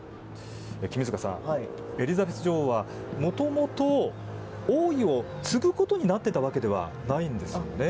君塚さん、エリザベス女王はもともと王位を継ぐことになっていたわけではないんですよね。